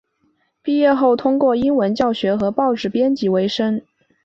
毕业后通过英文教学和报纸编辑维生。